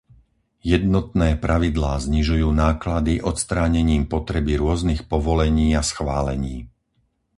Jednotné pravidlá znižujú náklady odstránením potreby rôznych povolení a schválení.